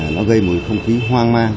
nó gây một không khí hoang mang